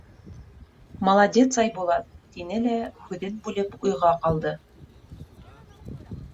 — Молодец, Айбулат, — тине лә һүҙен бүлеп уйға ҡалды.